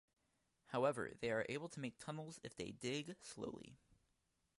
However, they are able to make tunnels if they dig slowly.